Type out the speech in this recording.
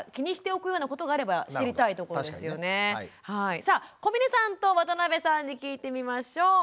さあ小峰さんと渡邊さんに聞いてみましょう。